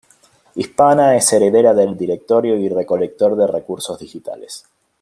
Hispana es heredera del Directorio y Recolector de Recursos Digitales.